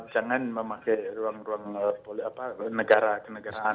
jangan memakai ruang ruang negara kenegaraan